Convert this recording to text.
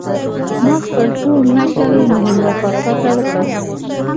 ما خپل ټول نکل مهیندراپراتاپ ته وکړ.